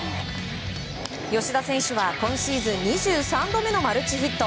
吉田選手は今シーズン２３度目のマルチヒット。